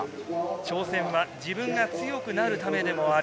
挑戦は自分が強くなるためでもある。